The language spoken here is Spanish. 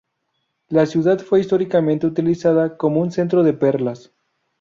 La ciudad fue históricamente utilizada como un centro de perlas.